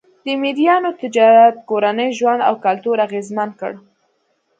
د مریانو تجارت کورنی ژوند او کلتور اغېزمن کړ.